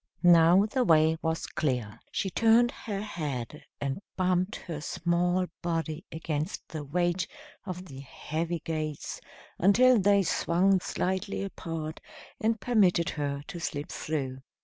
Now the way was clear. She turned her head and bumped her small body against the weight of the heavy gates until they swung slightly apart and permitted her to slip through.